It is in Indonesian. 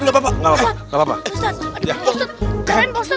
jangan dibantuin jangan dibantuin